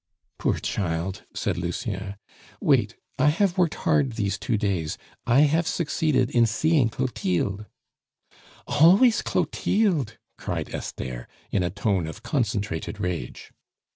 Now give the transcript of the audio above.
"Poor child," said Lucien, "wait! I have worked hard these two days. I have succeeded in seeing Clotilde " "Always Clotilde!" cried Esther, in a tone of concentrated rage.